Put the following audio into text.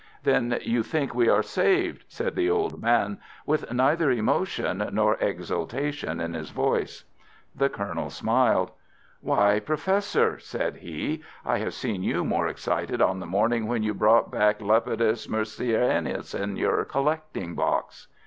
"Then you think we are saved?" said the old man, with neither emotion nor exultation in his voice. The Colonel smiled. "Why, Professor," said he, "I have seen you more excited on the morning when you brought back Lepidus Mercerensis in your collecting box."